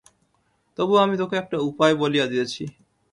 তবু আমি তোকে একটা উপায় বলিয়া দিতেছি।